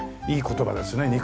いい言葉ですね